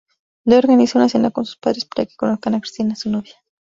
Leo organiza una cena con sus padres para que conozcan a Cristina, su novia.